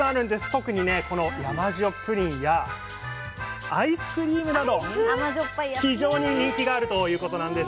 特にねこの山塩プリンやアイスクリームなど非常に人気があるということなんです。